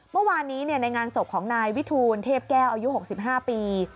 เมื่อวานนี้ในงานศพของนายวิทูลเทพแก้วอายุ๖๕ปี